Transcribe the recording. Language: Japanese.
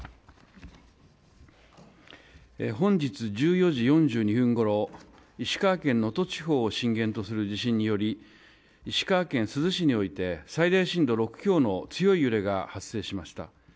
本日１４時４２分ごろ、石川県能登地方を震源とする地震により、石川県珠洲市において最大震度６強の強い揺れが発生しました。